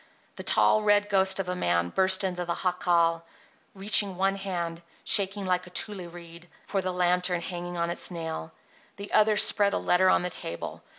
The tall, red ghost of a man burst into the jacal, reaching one hand, shaking like a tule reed, for the lantern hanging on its nail. The other spread a letter on the table.